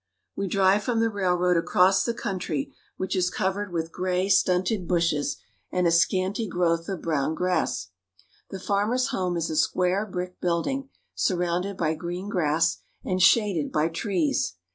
We drive from the railroad across the country, which is covered with gray, stunted bushes and a scanty growth of brown grass. The farmer's home is a square, brick building surrounded by green grass and shaded by trees.